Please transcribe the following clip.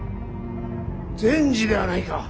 善児ではないか。